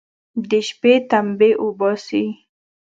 د شپې تمبې اوباسي.